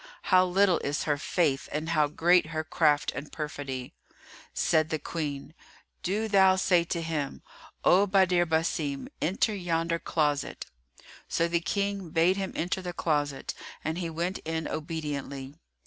How little is her faith and how great her craft and perfidy!" Said the Queen, "Do thou say to him, 'O Badr Basim, enter yonder closet!'" So the King bade him enter the closet and he went in obediently.